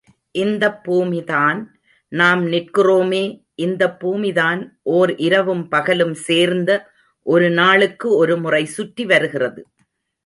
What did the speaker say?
இந்தப் பூமிதான், நாம் நிற்கிறோமே இந்தப் பூமிதான் ஓர் இரவும் பகலும் சேர்ந்த ஒருநாளுக்கு ஒருமுறை சுற்றி வருகிறது.